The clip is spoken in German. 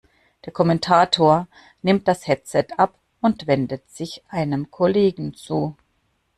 Der Kommentator nimmt das Headset ab und wendet sich einem Kollegen zu.